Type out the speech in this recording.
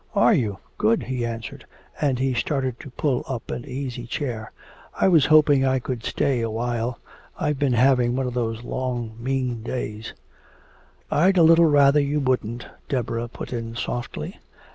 "Are you? Good," he answered, and he started to pull up an easy chair. "I was hoping I could stay awhile I've been having one of those long mean days " "I'd a little rather you wouldn't," Deborah put in softly.